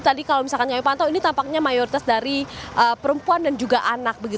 tadi kalau misalkan kami pantau ini tampaknya mayoritas dari perempuan dan juga anak